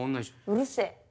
うるせえ。